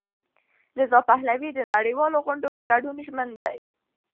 رضا پهلوي د نړیوالو غونډو په ګډون ژمن دی.